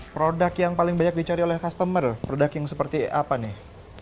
produk yang paling banyak dicari oleh customer produk yang seperti apa nih